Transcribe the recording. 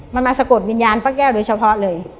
มันมาสะกดวิญญาณป้าแก้วโดยเฉพาะเลย